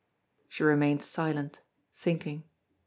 She remained silent, thinking.